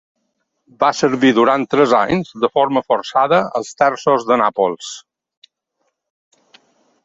Va servir durant tres anys, de forma forçada, als terços de Nàpols.